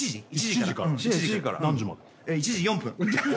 １時４分。